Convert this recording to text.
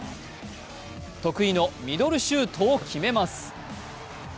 得意のミドルシュートを決めます。